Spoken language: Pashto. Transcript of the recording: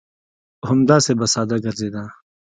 همداسې به ساده ګرځېده.